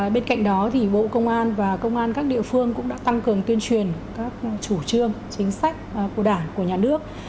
bên cạnh đó bộ công an và công an các địa phương cũng đã tăng cường tuyên truyền các chủ trương chính sách của đảng của nhà nước